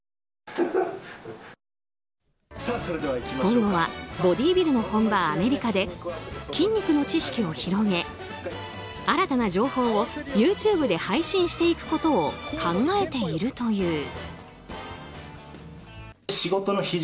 今後はボディービルの本場アメリカで筋肉の知識を広げ新たな情報をＹｏｕＴｕｂｅで配信していくことを考えているという。